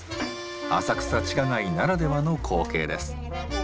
浅草地下街ならではの光景です。